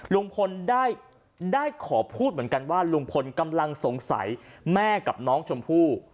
ลุงพลได้ขอพูดเหมือนกันว่าลุงพลกำลังสงสัยแม่กับน้องชมพู่